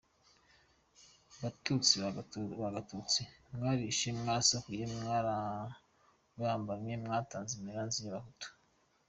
Batutsi ba Gatutsi, mwarishe, mwarasahuye, mwarabambye, mwataze imiranzi y’Abahutu.